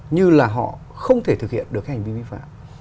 như là họ không thể thực hiện được cái hành vi vi phạm